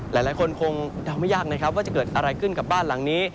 หลายคนคงเดาไม่ยากนะครับว่าจะเกิดอะไรขึ้นกับบ้านหลังนี้